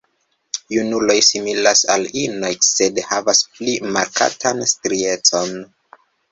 Junuloj similas al inoj, sed havas pli markatan striecon.